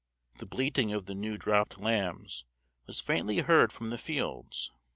The bleating of the new dropt lambs was faintly heard from the fields.